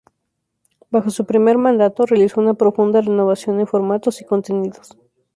Bajo su primer mandato realizó una profunda renovación en formatos y contenidos.